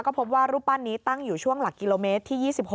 ก็พบว่ารูปปั้นนี้ตั้งอยู่ช่วงหลักกิโลเมตรที่๒๖